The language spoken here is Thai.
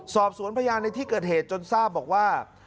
สอบสวนพยานในที่เกิดเหตุจนทราบบอกว่า